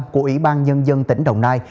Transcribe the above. của ủy ban nhân dân tỉnh đồng nai